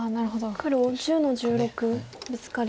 黒１０の十六ブツカリ。